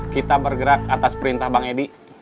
kita bergerak atas perintah bang edi